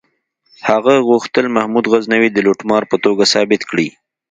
هغه غوښتل محمود غزنوي د لوټمار په توګه ثابت کړي.